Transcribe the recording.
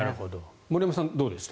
森山さん、どうでした。